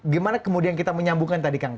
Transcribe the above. gimana kemudian kita menyambungkan tadi kang